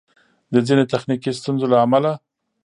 د ځیني تخنیکي ستونزو له امله